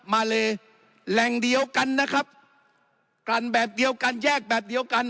มาเลแหล่งเดียวกันนะครับกลั่นแบบเดียวกันแยกแบบเดียวกัน